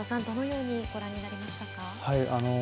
どのようにご覧になりましたか。